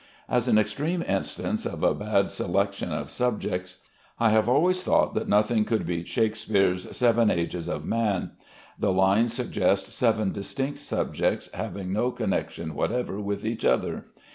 As an extreme instance of a bad selection of subject, I have always thought that nothing could beat Shakespeare's "Seven Ages of Man." The lines suggest seven distinct subjects having no connection whatever with each other.